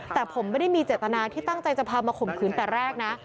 แต่ผมไม่ได้มีเจตนาที่ตั้งใจจะพามาข่มขืนแต่แรกนะ